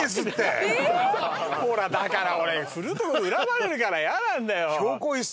ほらだから俺振ると恨まれるからイヤなんだよ。